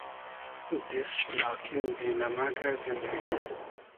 دیست شی لاکین بې نئمئگۂ زیندئگی